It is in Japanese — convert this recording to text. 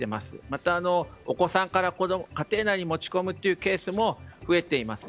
また、お子さんが家庭内に持ち込むというケースも増えています。